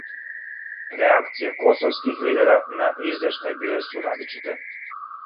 Реакције косовских лидера на извештај биле су различите.